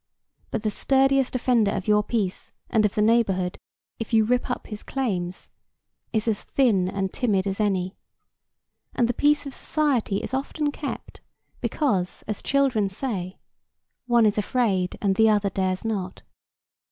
But the sturdiest offender of your peace and of the neighborhood, if you rip up his claims, is as thin and timid as any, and the peace of society is often kept, because, as children say, one is afraid, and the other dares not.